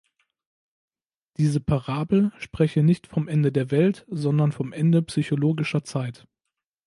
Diese Parabel spreche nicht vom Ende der Welt, sondern vom Ende psychologischer Zeit.